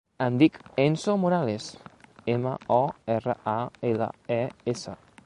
Em dic Enzo Morales: ema, o, erra, a, ela, e, essa.